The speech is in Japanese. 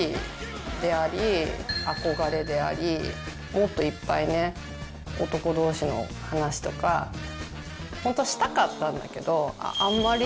もっといっぱいね男同士の話とかホントはしたかったんだけど。